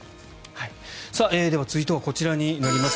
続いてはこちらになります。